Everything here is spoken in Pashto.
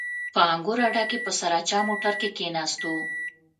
په انګور اډه کښې په سراچه موټر کښې کښېناستو.